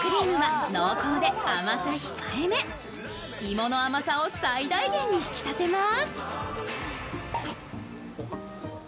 芋の甘さを最大限に引き立てます。